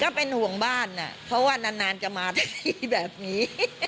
ก็เป็นห่วงบ้านเพราะว่านานจะมาได้แบบนี้